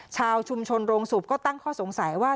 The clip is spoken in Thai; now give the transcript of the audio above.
ชาวชุมชนโรงสูบก็ตั้งข้อสงสัยว่า